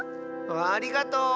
ありがとう！